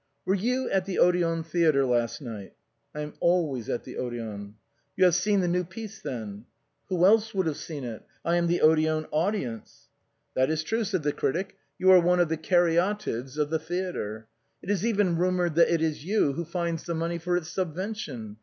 "Were you at the Odeon Theatre last night?" " I am always at the Odeon." 96 THE BOHEMIANS OF THE LATIN QUARTER. " You have seen the new piece, then ?"" Who else would have seen it ? I am the Odeon audi ence." " That is true," said the critic, " you are one of the caryatides of the theatre. It is even rumored that it is you who finds the money for its subvention.